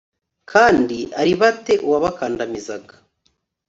kandi aribate uwabakandamizaga